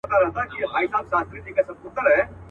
په تن خوار دی خو په عقل دی تللی.